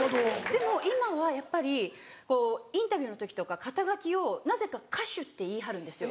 でも今はやっぱりインタビューの時とか肩書をなぜか歌手って言い張るんですよ。